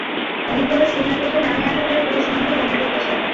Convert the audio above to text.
অনুপ্রবেশ শূন্যের কোঠায় নামিয়ে আনতে তাঁরা পুরো সীমান্তই বন্ধ করতে চান।